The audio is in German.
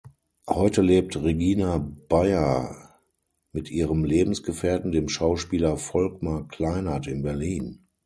Heute lebt Regina Beyer mit ihrem Lebensgefährten, dem Schauspieler Volkmar Kleinert, in Berlin.